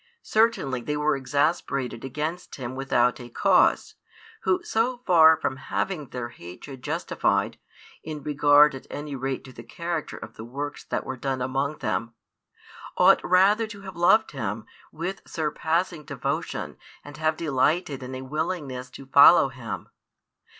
Certainly they were exasperated against Him without a cause, who so far from having their hatred justified, in regard at any rate to the character of the works that were done among them, ought rather to have loved Him with surpassing devotion and have delighted in a willingness to follow Him.